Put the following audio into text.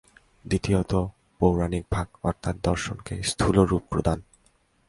দ্বিতীয়ত পৌরাণিক ভাগ অর্থাৎ দর্শনকে স্থূল রূপপ্রদান।